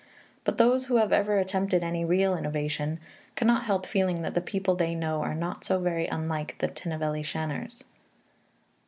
But those who have ever attempted any real innovation cannot help feeling that the people they know are not so very unlike the Tinnevelly Shanars.